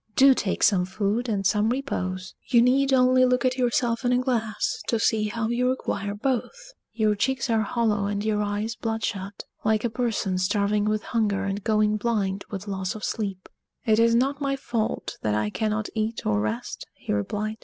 Do take some food and some repose. You need only look at yourself in a glass to see how you require both. Your cheeks are hollow and your eyes bloodshot, like a person starving with hunger and going blind with loss of sleep." "It is not my fault that I cannot eat or rest," he replied.